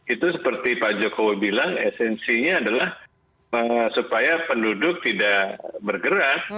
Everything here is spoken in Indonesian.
itu seperti pak jokowi bilang esensinya adalah supaya penduduk tidak bergerak